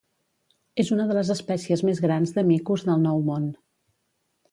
És una de les espècies més grans de micos del Nou Món.